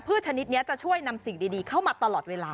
ชนิดนี้จะช่วยนำสิ่งดีเข้ามาตลอดเวลา